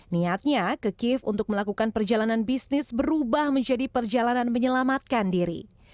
niatnya ke kiev untuk melakukan perjalanan bisnis berubah menjadi perjalanan menyelamatkan diri